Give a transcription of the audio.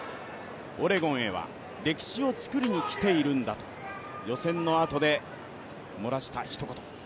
オレゴンへは歴史をつくりに来ているんだと予選のあとで、もらしたひと言。